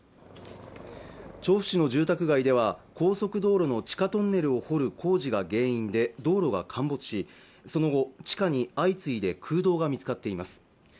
調布市の住宅街では、高速道路の地下トンネルを掘る工事が原因で道路陥没し、その後、地下に相次いで空洞が見つかっています。